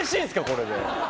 これで。